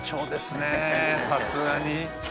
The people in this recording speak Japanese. さすがに。